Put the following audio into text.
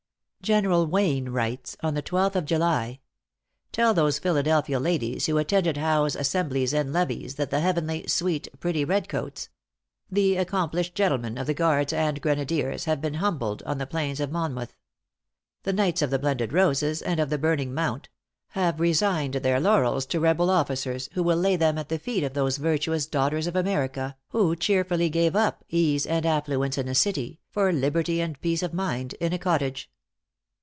General Wayne writes, on the twelfth of July: "Tell those Philadelphia ladies who attended Howe's assemblies and levees, that the heavenly, sweet, pretty redcoats the accomplished gentlemen of the guards and grenadiers, have been humbled on the plains of Monmouth. The knights of the Blended Roses, and of the Burning Mount have resigned their laurels to rebel officers, who will lay them at the feet of those virtuous daughters of America who cheerfully gave up ease and affluence in a city, for liberty and peace of mind in a cottage."